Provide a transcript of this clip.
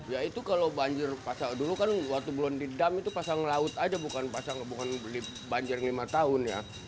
ya itu kalau banjir pasang dulu kan waktu belum didam itu pasang laut aja bukan pasang bukan banjir lima tahun ya